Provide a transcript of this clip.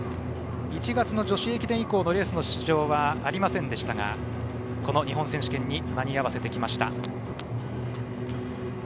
１月の女子駅伝以降のレースの出場はありませんでしたがこの日本選手権に間に合わせてきました。